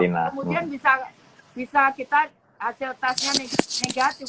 itu kalau kemudian bisa kita hasil tasnya negatif